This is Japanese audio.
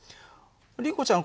リコちゃん